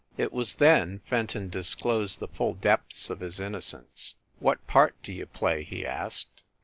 It was then Fenton disclosed the full depths of his innocence. "What part do you play?" he asked.